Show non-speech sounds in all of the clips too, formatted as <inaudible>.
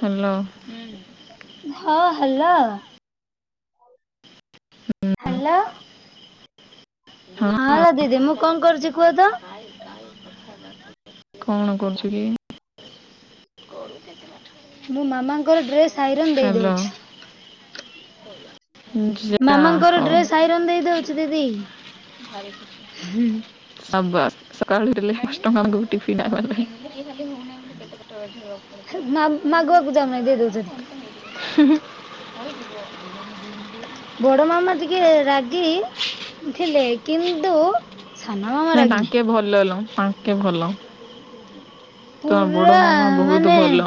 Hello. ହଁ ହେଲା। Hello. ହଁ ଦିଦି ମୁଁ କଣ କରୁଛି କୁହତ? କଣ କରୁଛୁ କି? ଗୋଳ କେଜିନଠ। <unintelligible> ମୋ ମାମାଙ୍କର ଡ୍ରେସ ଆଇରନ ଦେଇଦଉଛି। ଯା ମାମାଙ୍କର ହଉ ଡ୍ରେସ ଆଇରନ ଦେଇଦଉଛି ଦିଦି। ହୁଁ। ଆବାସ ସକାଳୁରେଲେ ନଷ୍ଟ କରକୁ ଟିଫିନା ହେ ମା ମାଗଆକୁ ଯାଉ ମାଇଁ ଦେଇ ଦଉଛନ୍ତି। ହୁ ହୁ ବଡ ମାମା ଟିକେ ରାଗି। ଥିଲେ କିନ୍ତୁ ସାନମମ ରାଗି ନୁହେଁ। ଭଲହେଲ ତାଙ ଟିକେ ଭଲ। ତ ବଡ ପୁରା ମାମା ବହୁତ ମାନେ ଭଲ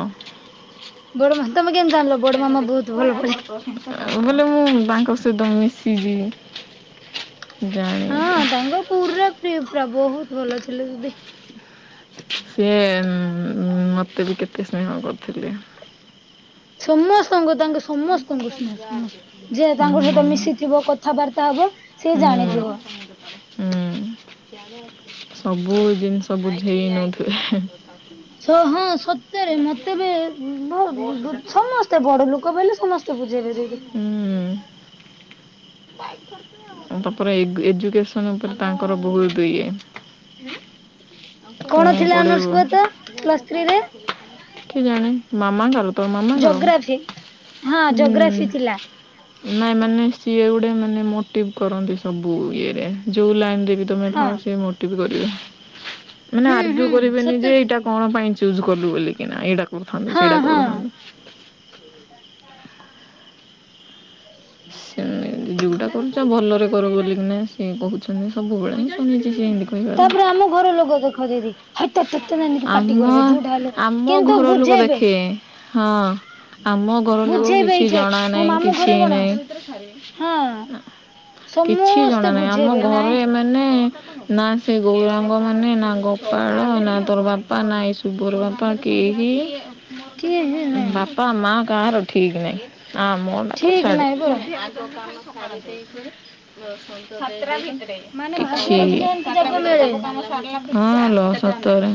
ବଡମା ତମେ କେମତି ଜାଣିଲ ବଡ ମାମା ବହୁତ ଭଲବୋଲି? ବୋଲେ ମୁଁ ତାଙ୍କ ସହିତ ମିସି ଚି ଯାଏ। ହଁ ତାଙ୍କ କୁରା ପୁରା ବହୁତ ଭଲ ଥିଲେ ଦିଦି। ସିଏ ମତେ ବି କେତେ ସ୍ନେହ କରୁଥିଲେ। ସମସ୍ତଙ୍କୁ ତାଙ୍କ ସମସ୍ତଙ୍କୁ ସ୍ନେହ ସମ ଯେ ତାଙ୍କ ସହିତ ହୁଁ ମିଶିଥିବ କ ଥାବାର୍ତ୍ତା ହବ ସିଏ ହୁଁ ଜାଣିଥିବ। ହୁଁ ସବୁ ଜିନିଷ ବୁଝେଇ ନଉଥିବେ ହେଁ ଛ ହଁ ସତରେ ମତେ ବି ଉ ବୋ ବୁ ସମସ୍ତେ ବଡ ଲୋକ ବହିଲେ ସମସ୍ତେ ବୁଝେଇବେ ଯାଇକି। ଉ ତାପରେ ଏଗୁ ଏଜୁକେସନ ଉପରେ ତାଙ୍କର ବହୁତ ଇଏ। <unintelligible> କଣ ଥିଲା ଅନର୍ସ ପଡେଇବୁ କୁହ ତ ପ୍ଲସ୍ ଥ୍ରୀରେ? କିଏ ଜାଣେ? ମାମାଙ୍କର ତୋ ମାମାଙ୍କର ଜୋଗ୍ରାଫି ହଁ ଉଁହୁଁ। ଜୋଗ୍ରାଫି ଥିଲା ନାଇଁ ମାନେ ସିଏ ଗୋଟେ ମାନେ ମୋ ମୋଟିଭ କରନ୍ତି ସବୁ ଇଏରେ ଯୋଉ ଲାଇନରେ ବି ତମେ ହଁ। ଥାଅ ସିଏ ମୋଟିଭ୍ କରିବେ। ମାନେ ହୁଁ ହୁଁ ଆର୍ଗ୍ୟୁ କରିବେନି ସତ ଯେ ଏଇଟା ଦିଦି କଣ ପାଇଁ ଚୁଜ୍ କଲୁ ବୋଲିକିନା ଏଇଟା କରୁଥାନ୍ତୁ ହଁ ସେଇଟା ହଁ। କରୁଥାନ୍ତୁ। ଏମିତି ଯୋଉଟା କରୁଚ ଭଲରେ କର ବୋଲିକିନା ସିଏ କୋହୁଛନ୍ତି ସବୁବେଳେ <unintelligible> ତାପରେ ଆମ ଘର ଲୋକ ଦେଖ ଦିଦି। ହଇତ ତତେ ଏମିତି ପାଟି ଆମ କରିବେ ଯୋଉଟା ହେଲେ। ଆମ କିନ୍ତୁ ଘର ଲୋକ ବୁଝେଇବେ ଦେଖେ ହଁ। ଆମ ଘରଲୋକ ବୁଝେଇବେ କିଛି ଏଇଠି ଜଣା ମୋ ନାଇଁ ମାମୁଁ କିଛି ଘରେ କଣ ନାଇଁ। ହଁ କିଛି ଜଣା ସମସ୍ତେ ନାଇଁ ଆମ ବୁଝେଇବେ ଘରୁ ନାଇଁ ଏମା ମାନେ ନା ସେ ଗୋରାଙ୍ଗ ମାନେ ନାଙ୍ଗ ପାଳ ନା ତୋର ବାପା ନାଇଁ ଏଇ ସୁୁଭର ବାପା କେହିି କିଏ ନାଇଁ ବାପା ମାଆ କାହାର ଠିକ ନାହିଁ ଆ ମୋ ନାଁ ତ ଠିକ ଛାଡ଼େ। ନାଇଁ ପରା ୋକାମ ମାନେ କିଛି ଭାଗ୍ୟରେ ଥିଲେ ଏମିତି ଜାଗା ମିଳେ ହଁ ଲୋ ସତରେ।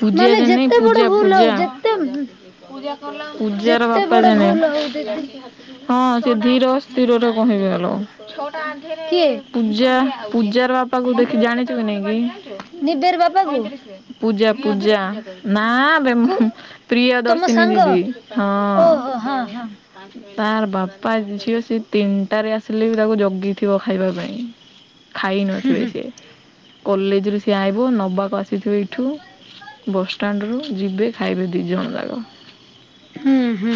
ପୂଜା ମାନେ ଦିନି ଯେତେ ବଡ ପୂଜା ଭୁଲ ହଉ ପୂଜା ଯେତେ ପୂଜାର ଯେତେ ବାପା ବଡ ଜାଣେ। ଭୁଲ ହଉ ଦିଦି ହଁ ସେ ଧୀର ସ୍ଥିରରେ କହିବେ ଆଲୋ। କିଏ? ପୂଜା ପୂଜାର ବାପାକୁ ଦେଖି ଜାଣିଚୁ କି ନାଇ କି? ନିବେର ବାପାକୁ? ପୂଜା ପୂଜା ନା ବେ କୁ ମୁଁହୁଁ ତମ ପ୍ରିୟଦର୍ଶିନୀ ସାଙ୍ଗ ଦିଦି ହଁ। ଓହୋ ହଁ ହଁ ତାର ବାପା ଝିଅ ସେ ତିନିଟାରେ ଆସିଲେ ବି ତାକୁ ଜଗିଥିବ ଖାଇବା ପାଇଁ। ଖାଇ ହୁଁ ନଥିବେ ସିଏ କଲେଜରୁ ସିଏ ଆଇବ ନବାକୁ ଆସିଥିବେ ଏଇଠୁ। ବଷ୍ଟାଣ୍ଟରୁୁ ଯିବେ ଖାଇବେ ଦିଇଜଣ ଯାକ। ହୁଁ ହୁଁ।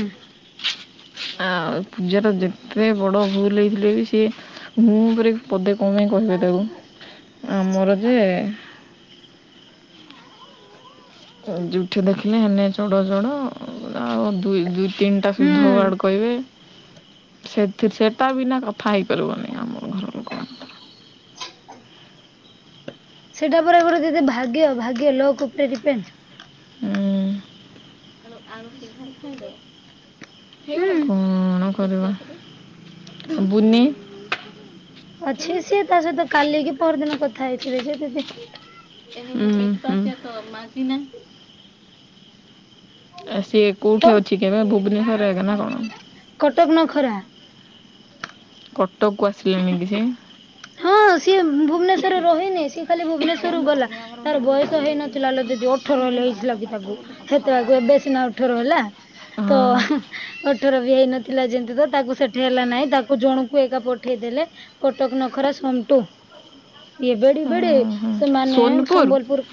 ଆଉ ପୂଜାର ଯେତେ ବଡ଼ ଭୁଲ ହେଇଥିଲେ ବି ସିଏ ମୁଁହ ଉପରେ ପଦେ କମାଇଁ କହିବେ ତାକୁ ହୁଁ ଆମର ଯେ ଯୋଉଠି ଦେଖିଲେ ହେନେ ଚଡ ଚଡ ଆଉ ଦୁଇ ଦୁଇ ତିନଟା ସୁଧ ହୁଁ ୱାର୍ଡ଼ କହିବେ। ସେଥିର୍ ସେଟା ବିନା କଥା ହେଇପାରିବୁନି ଆମର। ଆଜ୍ଞା ସେଟା ପରା ଗୋଟେ ଦିଦି ଭାଗ୍ୟ ଭାଗ୍ୟ ଲକ୍ ଉପରେ ଡିପେଣ୍ଡ୍। କଅଣ ହୁଁ କରିବା ଶୁବୁନି। ଅଛି ସିଏ ତା ସହିତ କାଲି କି ପହରଦିନ କଥା ହେଇଥିଲି ଯେ ଦିଦି। ଉଁହୁଁ। ଆ ସିଏ ତ କୋଉଠି ଅଛି କେବେ ଭୁବନେଶ୍ୱରରେ ଆଗେ ନା କଣ? କଟକ ନଖରା। କଟକକୁ ଆସିଲାଣି କି ସିଏ? ହଁ ସିଏ ଭୁବନେଶ୍ଵରରେ ରହେନି ସିଏ ଖାଲି ଭୁବନେଶ୍ଵରରୁୁ ଗଲା ତାର ବୟସ ହେଇନଥିଲା ଦିଦି ଅ ଅଠର ହେଲେ ହେଇଥିଲା କି ତାକୁ ହେତେବାକୁ ଏବେ ସିନା ଉଠର ହେଲା। ହଁ। ହୁଁ ଅଠର ବି ହେଇ ନଥିଲା ଯେମତି ତ ତାକୁ ସେଠି ହେଲା ନାହିଁ ତାକୁ ଜଣକୁ ଏକା ପଠେଇଦେଲେ। କଟକ ନଖରା ସମଟୁ। ଇଏ ବେଡି ବେଡି ଓହୋ ସେମାନେ ସୋନପୁର ସମ୍ବଲପୁର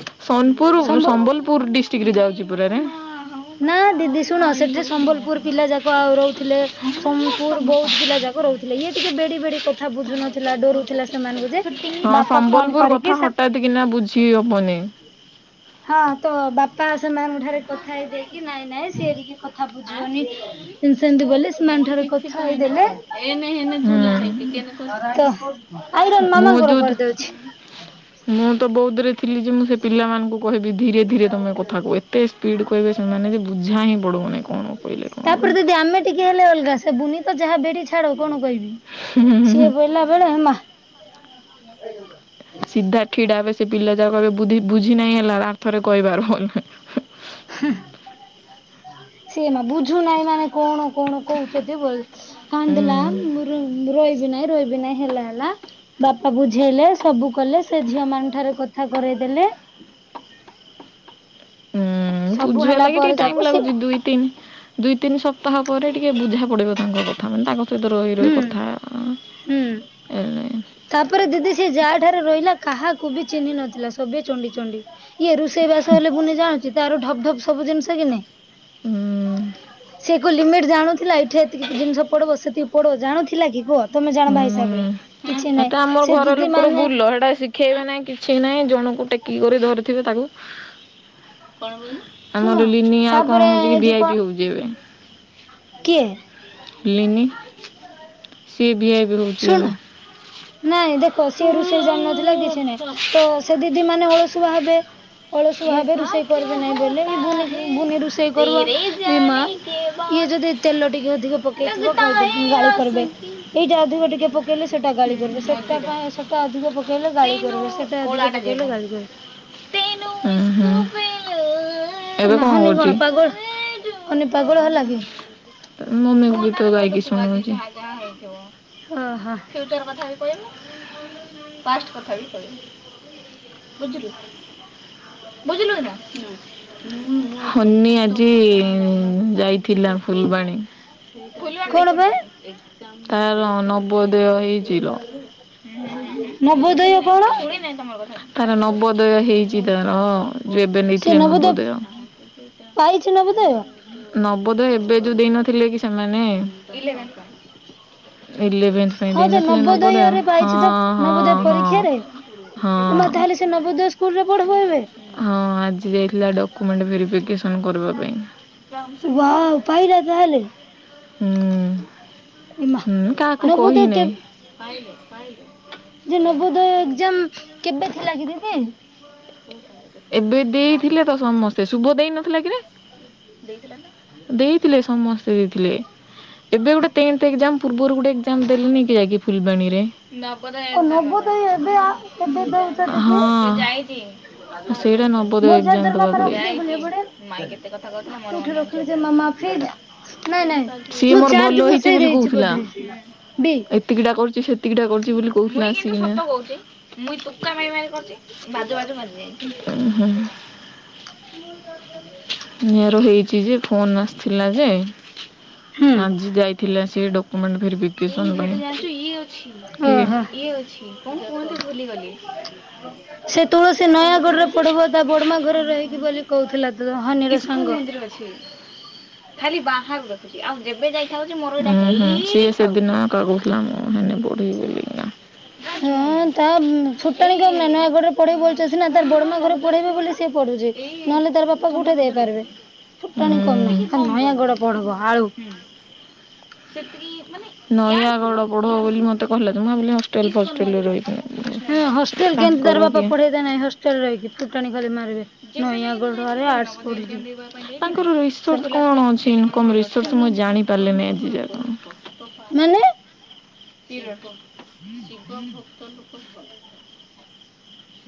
ସମ୍ବ ପୁର ଡିଷ୍ଟିକରେ ଯାଉଚି ପୁରାରେ। ନା ଦିଦି ଶୁଣ ସେଠି ସମ୍ବଲପୁର ପିଲା ଯାକ ଆଉ ରହୁଥିଲେ। ସୋନପୁର ବୌଦ୍ଧ ପିଲା ଯାକ ରହୁଥିଲେ ଇଏ ଟିକେ ବେଡି ବେଡି। କଥା ବୁଝୁ ନଥିଲା ଡରୁଥିଲା ସେମାନଙ୍କୁ ଯେ ହଁ ବାପା ଫୋନ ସମ୍ବଲପୁର କଥା କରିକି ହଠାତ୍ କିନା ବୁଝି ହବନି। ହଁ ତ ବାପା ସେମାନଙ୍କ ଠାରେ କଥା ହେଇଯାଇକି କି ନାଇଁ ନାଇଁ ସିଏ ଟିକେ କଥା ବୁଝିବନି ସେମତି ବୋଲି ସେମାନଠାରେ କଥା ହେଇଦଲେ ତ ଆଇରନ୍ ମୁଁ ମାମାଙ୍କର ଯୋଉ କରିଦେଉଚି। ମୁଁ ତ ବହୁଧ ରେ ଥିଲି ଯେ ମୁଁ ସେ ପିଲାମାନଙ୍କୁ କହିବି ଧୀରେ ଧୀରେ ତମେ କଥାକୁହ ଏତେ ସ୍ପିଡ଼୍ କହିବେ ସେମାନେ ଯେ ବୁଝା ହିଁ ପଡ଼ିବନ କଣ କହିଲେ କଣ ତାପରେ ନଇଁ। ଯଦି ଆମେ ଟିକେ ହେଲେ ଅଲଗା ସେ ବୁନି ତ ଯାହା ବେଡି ଛାଡ କଣ କହିବି। ହୁଁ ହୁଁ ହୁଁ ହୁଁ। ଏଇ ଦା ସିଧା ଠିଡା ଏବେ ସେ ପିଲା ଯା କଇବାର ଏବେ ବୁଝି ବୁଝି ନେହିଁ ହେଲା ଆଥରେ କହିବାର। ସେ ମା ବୁଝୁନାହିଁ ମାନେ କଣ କଣ କହୁଚନ୍ତି। କାନ୍ଦିଲା <unintelligible> ରଇବି ନାହିଁ ରଇବି ନାହିଁ ହେଲା। ହେଲା ବାପା ବୁଝେଇଲେ ସବୁ କଲେ ସେ ଝିଅ ମାନଙ୍କ ଠାରେ କଥା କରେଇଦେଲେ। ହୁଁ ସବୁ ବୁଝିବା ହେଲା ଲାଗି ପରେ ଟିକେ ଯାକୁ ଟାଇମ ସେ ଲାଗୁଚି ଦୁଇ ତିନ ଦୁଇ ତିନି ସପ୍ତାହ ପରେ ଟିକେ ବୁଝା ପଡିବ ତାଙ୍କ କଥା ମାନେ ତାଙ୍କ <unintelligible> ରଇ ରଇ ହୁଁ କଥା ହୁଁ। ଏଲେ ତାପରେ ଦିଦି ସେ ଯାହା ଠାରେ ରହିଲା କାହାକୁ ବି ଚିହ୍ନି ନଥିଲା ସବେ ଚଣ୍ଡି ଚଣ୍ଡି ଇଏ ରୋଷେଇ ବାସ ହେଲେ ବୁନି ଜାଣୁଚି ତାର ଢପ୍ ଢପ୍ ସବୁ ଜିନିଷ କି ହୁଁ ନଇ ସେ କ ଲିମିଟ ଜାଣୁଥିଲା ଏଇଠି ଏତିକି ଜିନିଷ ପଡିବ ସେ ପଡ ଜାଣୁଥିଲା କି କୁହ ତମେ ଜାଣ ଭାଇ ହିସାବ ହୁଁ ରେ କିଛି ନାଇଁ ସେ ଦିଦି ମାନେ ଖେଇବେ ନାହିଁ କିଛି ନାହିଁ ଜଣଙ୍କୁ ଟେକି କରି ଧରିଥିବେ ତାକୁ ଶୁଣ ଆମର ଲିନିଆଉ କଣ ତାପରେ ହଉଚି ଏ କି ଯୋଉ ଭାଆଇ ପି କଣ ହଉଚି ଏବେ କିଏ। ଲିିନି ସିଏ ଭିଆଇପି ହଉଚି ଏବେ ଶୁଣ ନାଇଁ ଦେଖ ସିଏ ରୋଷେଇ ଜାଣି ନଥିଲା କିଛି ନାହିଁ। ତ ସେ ଦିଦି ମାନେ ହଳସୁଆ ହେବେ। ଅଳସୁଆ ହେବେ ରୁଷେଇ କରିବେ ନାହିଁ ବୋଲେ ଏଇ ବୁନି ରୋଷେଇ କରିବ ଏ ମା ଇଏ ଯଦି ତେଲ ଟିକେ ଅଧିକ ପକେଇଥିବ କହିଦେ ଗାଳି କରିବେ ଏଇ ସେଇଟା ଅଧିକ ଟିକେ ପକେଇଲେ ସେଟା ଗାଳି କରିବେ ସେଟା ପାଇଁ ସେଟା ଅଧିକ ପକେଇଲେ ଗାଳି କରିବ ସେଟା ଅଧିକ ପକେଇଲେ ଗାଳି ହୁଁ ହଁ ହଁ। ଏ ମା ହଉନି କଣ ପାଗଳ ହଉନି ପାଗଳ ହେଲା କି? ତା ମମି କ ଗୀତ ଗାଇକି ଶୁଣଉଚି। ହଁ ହଁ <unintelligible> ବୁଝିଲୁ ନା। ହନି ଆଜି ଯାଇ ଥିଲା ଫୁଲବାଣୀ। କଣ ବେ ତାର ନବଦୟୋ ହେଇ ତିର ନବୋଦୟ କଣ? ତାର ନବୋଦୟ ହେଇ ଚି ତାର ଯୋଉ ଏବେ ନେଇଥିଲେ ନବୋଦୟ। ପାଇଛି ନବଦୟ। ନବଦୟୋ ଏବେ ଯୋଉ ଦେଇନଥିଲେ କି ସେମାନେ। ହ ଇଲେଭେନ୍ଥ ପାଇଁ ହଁ ଯେ ଦେଇନଥିଲେ ନବୋଦୟ ନବୋଦୟରେ ହଁ ପାଇଛି ତ ହଁ ନବୋଦୟ ହଁ ପରୀକ୍ଷାରେ। ହଁ ହଁ ଏ ମା ତାହେଲେ ସେ ନବୋଦୟ ସ୍କୁଲ ରେ ପଢ଼ବ ଏବେ। ହଁ ଆଜି ଯାଇଥିଲା ଡକୁୁମେଣ୍ଟ ଭେରିଫିକେସନ କରିବା ପାଇଁ। ୱାଓ ହୁଁ। ପାଇଲା ତାହେଲେ ହୁଁ କାହାକୁ ଏମା। ନବୋଦୟ କେ କହି ନାହିଁ। ଯେ ନବୋଦୟ ଏକ୍ଜାମ କେବେ ଥିଲା କି ଦିଦି। ଏବେ ଦେଇଥିଲେ ତ ସମସ୍ ସ୍ତେ ଶୁଭ ଦେଇ ନଥିଲା କିରେ ଦେଇଥିଲେ ସମସ୍ତେ ଦେଇଥିଲେ। ଏବେ ଗୋଟେ ଟେନ୍ଥ ଏକ୍ଜାମ୍ ପୂର୍ବରୁ ଗୋଟେ ଏକ୍ଜାମ ଦେଲେନି କି ଯାଇକି ଫୁଲବାଣୀରେ। <inaudible> ଓ ନବୋଦୟ ଏବେ ଆ ଏବେ ଦଉଛନ୍ତି କି? ହଁ। ତ ସେଇଟା ନବଦୟୋ ମୋର ଏଗଜାମ୍ ଚାର୍ଜର ମାମା ଦବାକୁ ରଖିଦେଇ ଗଲେ ପଡ଼ିବ। ଏପଟେ ସେଇଟା ନାଇଁ ନାଇଁ ମୁଁ ଭଲ ଚାର୍ଜ ହେଇଛି ବସେଇ ଦେଇଛି ବଧେ ବି ତିକିଟା କରୁଛି ସେତିକିଟା କରୁଚି ବୋଲି କହୁଥିଲା ଆସିକି ମୁଇଁ ତୁକା ମାରି ମାରି କରିଛି ବାଜୁ ବାଜୁ ବାଜୁ ହୁଁ ହୁଁ। ନିଆର ହେଇଛି ଯେ ଫୋନ୍ ଆସିଥିଲା ଯେ ହୁଁ। ଆଜି ଯାଇଥିଲା ସେ ଡକ୍ <inaudible> ଓହୋ <unintelligible> ହଁ ସେ ତୁଳସୀ ନୟାଗଡରେ ପଢିବ ତା ବଡମା ଘରେ ରହିକି ବୋଲି କହୁଥିଲା ତ ହନୀର ସାଙ୍ଗ। ଛି <unintelligible> <unintelligible> ହଁ ତା ବୁ ଫୁଟାଣି କାଢ଼ ନା ନୟାଗଡରେ ପଢେଇ ଭଲ ସେ ସିନା ତାର ବଡମା ଘରେ ପଢେଇବେ ବୋଲି ସେ ପଢୁଛି ନହେଲେ ତାର ବାପା କୋଉଠେ ଦେଇପାରିବେ। ଫୁଟାଣି କମ ଟିକେ ଉଁ, ନାହିଁ ହ ନୟାଗଡ ପଢ଼ବ ଆଳୁ। ନୟାଗଡ ପଢବ ବୋଲି ମତେ ତ ମୁଁ ଭାବିଲ ହଷ୍ଟେଲ ଫଷ୍ଟେଲରେ ରହିକିନା। ହଁ ପଢ଼ିବ। ହଷ୍ଟେଲ କେମିତି ତାର ତାଙ୍କର ବାପା କିଏ ପଢେଇଲେ ନାହିଁ ହଷ୍ଟେଲ ରହିକି ଫୁଟାଣି ଖାଲି ମାରିବେ। ନୟାଗଡରେ ଆର୍ଟସ ପଢିଯିବ ତାଙ୍କର ସେ ରିସର୍ଷ କଣ ଅଛି। କଣ ରିସର୍ଚ୍ଚ ମୁଁ ଜାଣିପାରିଲିନି ଆଜି ଯାକ। ମାନେ <unintelligible>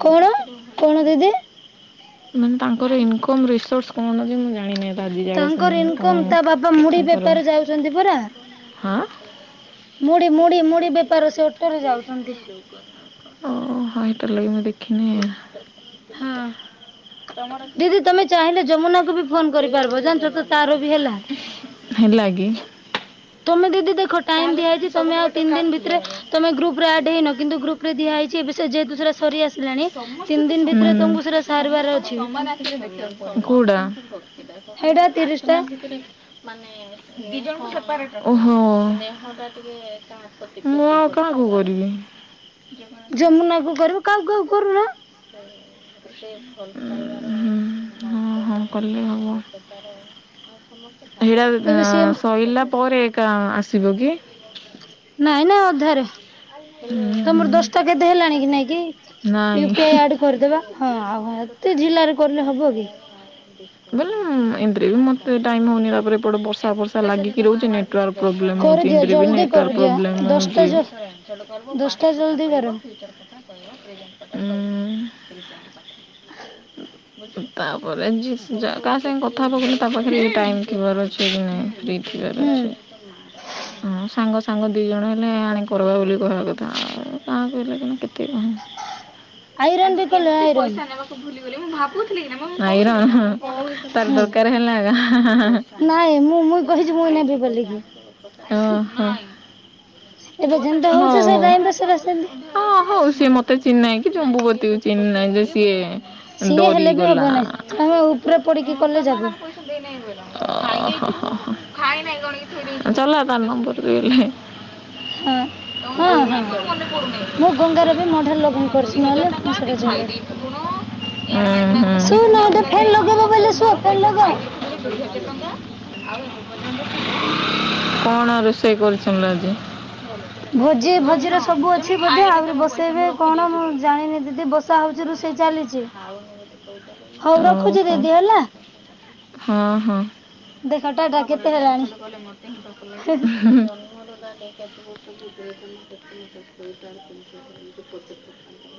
କଣ କଣ ଦିଦି ମାନେ ତାଙ୍କର ଇନକମ୍ ରିସୋର୍ସ କଣ ଯେମି ଜାଣିନେ ତ ଆଜି ଯାକ ତାଙ୍କର ସେମାନେ କଣ ଇନକମ ତା ବାପା ମୁଢି ତାଙ୍କର ବେପାର ଯାଉଛନ୍ତି ପରା ହଁ। ମୁଢି ମୁଢି ମୁଢି ବେପାର ସେ ଓଟୋରେ ଯାଉଚନ୍ତି। ଓ ହଉ ତାଲେ ମୁଁ ଦେଖିନି। ହଁ ଦିଦି ତମେ ଚାହିଁଲେ ଯମୁନା କୁ ବି ଫୋନ କରିପାରିବ ଜାଣିଛ ତ ତାର ବି ହେଲା। ହେଲାଗି। ତମେ ଦିଦି ଦେଖ ଟାଇମ୍ ଦିଆହେଇଚି ତମେ ଆଉ ତିନି ଦିନ ଭିତରେ ତମେ ଗ୍ରୁପରେ ଆଡ ହେଇନ କିନ୍ତୁ ଗ୍ରୁପ୍ ରେ ଦିଆହେଇଚି ଏବେ ସେ ଯେହେତୁ ସେରା ସେଟା ସାରିବାର ଅଛି କୋଉଟା <inaudible> <unintelligible> ହେଇଟା ତିରିଶ ଆସୁ ଟା ନାହାଁନ୍ତି କେବେ। ଓ ହୋ। ମୁଁ ଆଉ କାହାକୁ କରିବି। ଯମୁନା କୁ କରିବ କାକୁ କାକୁ କରୁନ। ଉ ହୁଁ। ହଁ ହଁ କଲେ ହବ। ଢେରା ଏବେ ସିଏ ଏଁ ସରିଲା ପରେ ଆକା ଆସିବ କି? ନାଇଁ ନା ଅଧାରେ। ତମର ଦଶଟା କେତେ ହେଲାଣି କି ନାଇଁ କି ନାଇଁ ୟୁ ପି ଆଇ ଆଡ କରିଦବା ହଁ ଆଉ ଭା ତେ ଜିଲ୍ଲାରେ କଲେ ହବ କି? ବୋଲେ ଏମିତିରେ ବି ମତେ ଟାଇମ ହଉନି ତାପରେ ଏପଟେ ବର୍ଷା ଫର୍ଷା ଲାଗିକି ରହୁଛି ନା। ନେଟୱାର୍କ ପ୍ରୋବ୍ଲେମ୍ ହେଉଚି କରିଦିଅ ଏମିତିରେ ବି ଜଲଦି ନେଟୱାର୍କ କରିଦିଅ ପ୍ରୋବ୍ଲେମ୍ ଦଶଟା ହେଉଚି। ଜ କହିବ ବାହାର ଦଶଟା କଥା ଜଲଦି କର କହିବ, ଭିତର କଥା କହିବ <unintelligible> <inaudible> ତାପରେ ଜି ଯା କାହା ସାଙ୍ଗେ କଥା ହେବାକୁ ହେଲେ ତା ପାଖରେ ଟାଇମ ଥିବାର ଅଛି କି ନାଇଁ? ଫ୍ରି ଥିବାର ହୁଁ ଅଛି, ହଁ ସାଙ୍ଗ ସାଙ୍ଗ ଦୁଇ ଜଣ ହେଲେ ଆଣି କରବା ବୋଲି କହ କ କାହା କହିଲ କେ କହା ନ ଆଇରନ୍ ବି କଲେ ଆଇରନ୍ <unintelligible> ଥିଲ ନାଇ ର ତାର ହୁଁ ଦରକାର ହେଲା ଆ <unintelligible> ନାଇଁ ମୁଁ ମୁଁ କହିଛି ମୁଁ ନେବି ବୋଲିକି ଓ ହୋ। ଏବେ ଯେମିତି ହଉଛି ସେ ଟାଇମରେ ସେଇଟା ସେମିତି ହଁ ହଉ ହଁ ସିଏ ମତେ ଚିହିଁ ନାହିଁ କି ଜମ୍ବବତୀ ଚିହିଁ ନାହିଁ ଯେ ସିଏ ସିଏ ହେଲେ ବି ଡରିଗଲା। ହବନି ତମେ ଉପରେ ପଡିକି କଲେ ଯାବ <unintelligible> ହଁ ଅଁ ହଁ ହଁ ମୁଁ ଗଙ୍ଗ ରବ ମୋ ଠାରେ ଲଗଇନ କରିଛି ନହେଲେ ମୁଁ ସେଟା ଚାଲି ହୁଁ, ହୁଁ। ଶୁ ନ ଫେନ୍ ଲଗେଇବା ବୋଇଲେ ଶୁ ଫେ ଲଗ <unintelligible> କଣ ରୋଷେଇ କରୁଥିଲ ଆଜି? <unintelligible> ଭୋଜି ଭୋଜିର ସବୁ ଅଛି ବୋଧେ, ଆହୁରି ବସେଇବେ କଣ ମୁଁ ଜାଣିନି ଦିଦି ବସା ହଉଛି ରୋଷଇ ଚାଲିଚି। ଓହୋ, ଦିଦି ହେଲା ହଁ ଦେଖ ଟାଟା ହଁ। କେତେ ହେଲାଣି <unintelligible> ଚାଷ କରଛନ୍ତି <unintelligible>